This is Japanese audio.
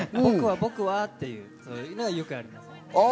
僕は？っていうのがよくあります。